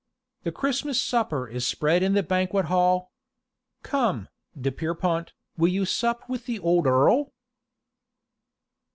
The Christmas supper is spread in the banquet hall. Come, de Pierrepont, will you sup with the old Earl?"